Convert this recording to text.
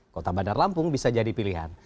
kota bandar lampung bisa jadi pilihan